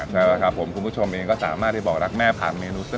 ใช่แล้วครับผมคุณผู้ชมเองก็สามารถที่บอกรักแม่ผ่านเมนูเส้น